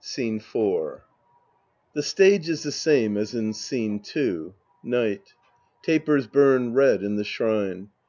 Scene IV {The stage is the same as in Scene II. Night. Tapers bum red in the shrine.